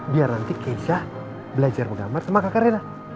biar nanti keisha belajar menggambar sama kak kareda